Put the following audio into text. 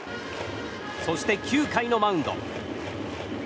そして９回のマウンド。